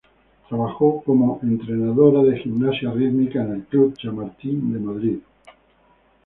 Trabajó como entrenadora de gimnasia rítmica en el Club Chamartín de Madrid.